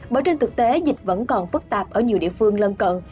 bởi trên thực tế dịch vẫn còn phức tạp ở nhiều địa phương lân cận